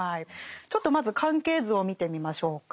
ちょっとまず関係図を見てみましょうか。